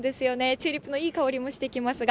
チューリップのいい香りもしてきますが。